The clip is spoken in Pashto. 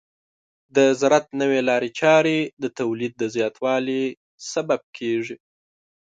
د زراعت نوې لارې چارې د تولید زیاتوالي سبب کیږي.